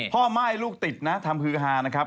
ม่ายลูกติดนะทำฮือฮานะครับ